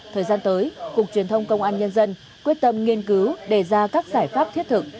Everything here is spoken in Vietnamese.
thời gian tới cục truyền thông công an nhân dân quyết tâm nghiên cứu đề ra các giải pháp thiết thực